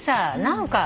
何か。